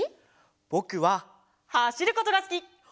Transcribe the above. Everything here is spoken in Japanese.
ぼくははしることがすき！